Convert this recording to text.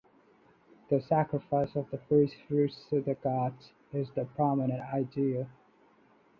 The sacrifice of the first fruits to the gods is the prominent idea.